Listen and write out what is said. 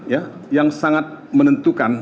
ya yang sangat menentukan